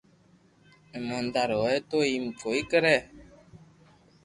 ايموندار ھوئي تو ايم ڪوئي ڪري